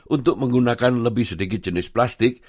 untuk menggunakan lebih sedikit jenis plastik